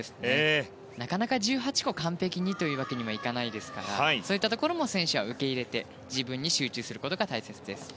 なかなか１８個完璧にというわけにはいかないですからそういったところも選手は受け入れて自分に集中することが大切です。